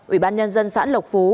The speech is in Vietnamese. ubnd xã lộc phú